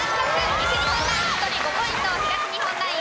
西日本ナイン１人５ポイント東日本ナイン